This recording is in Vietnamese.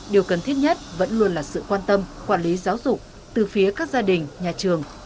điều cần thiết nhất vẫn luôn là sự quan tâm quản lý giáo dục từ phía các gia đình nhà trường